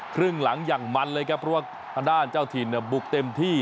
ครึ่งหลังอย่างมันเลยครับเพราะว่าทางด้านเจ้าถิ่นเนี่ยบุกเต็มที่